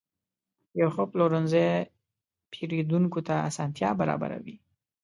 یو ښه پلورنځی پیرودونکو ته اسانتیا برابروي.